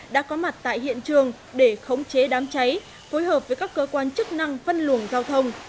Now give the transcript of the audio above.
đã có mặt tại hiện trường để khống chế đám cháy phối hợp với các cơ quan chức năng văn luồng giao thông